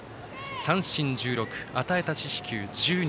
三振１６、与えた四死球１２。